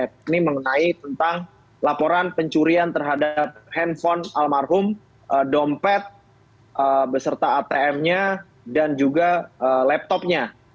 ini mengenai tentang laporan pencurian terhadap handphone almarhum dompet beserta atm nya dan juga laptopnya